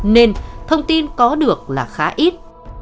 nên thông tin có được là khá ít